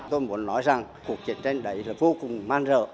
tôi muốn nói rằng cuộc chiến tranh đấy là vô cùng man rợ